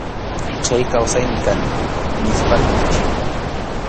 Chay kawsaymi kani, nispa kutichini.